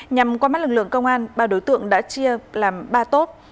nhằm qua mắt lực lượng công an ba đối tượng đã chia làm ba tốp